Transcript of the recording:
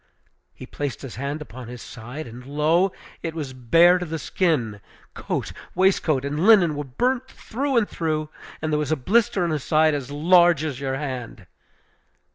He placed his hand upon his side, and, lo! it was bare to the skin! Coat, waistcoat, and linen were burnt through and through, and there was a blister on his side as large as your hand!